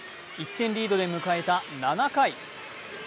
１点リードで迎えた７回。